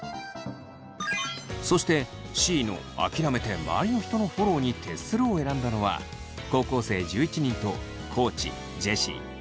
そしてＣの「あきらめて周りの人のフォローに徹する」を選んだのは高校生１１人と地ジェシー大我北斗の４人。